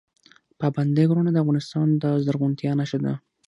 پابندی غرونه د افغانستان د زرغونتیا نښه ده.